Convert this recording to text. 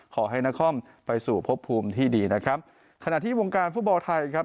ขอให้นครไปสู่พบภูมิที่ดีนะครับขณะที่วงการฟุตบอลไทยครับ